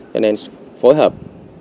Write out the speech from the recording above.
cho nên phối hợp